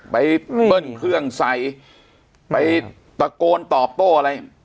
เบิ้ลเครื่องใส่ไปตะโกนตอบโต้อะไร